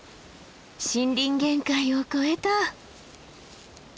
森林限界を越えた。